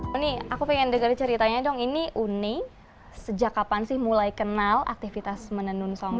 oni aku pengen denger ceritanya dong ini uni sejak kapan sih mulai kenal aktivitas menenun song